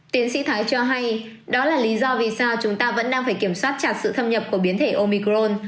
tiến sĩ thái cho hay đó là lý do vì sao chúng ta vẫn đang phải kiểm soát chặt sự thâm nhập của biến thể omicron